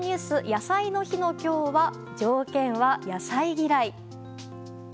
野菜の日の今日は条件は野菜嫌い。